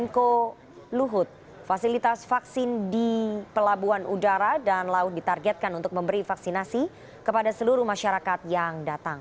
menko luhut fasilitas vaksin di pelabuhan udara dan laut ditargetkan untuk memberi vaksinasi kepada seluruh masyarakat yang datang